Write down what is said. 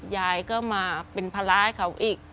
ยายก็มาเป็นภาระให้เขาอีก